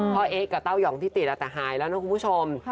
เอ๊กับเต้ายองที่ติดแต่หายแล้วนะคุณผู้ชม